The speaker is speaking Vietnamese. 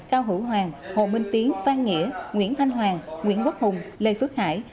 cao hữu hoàng hồ minh tiến phan nghĩa nguyễn thanh hoàng nguyễn quốc hùng lê phước hải